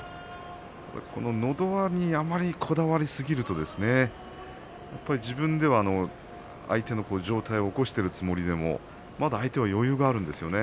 この、のど輪にあまりこだわりすぎると自分では相手の上体を起こしているつもりでもまだ相手は余裕があるんですよね。